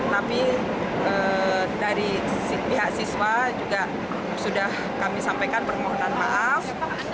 tapi dari pihak siswa juga sudah kami sampaikan permohonan maaf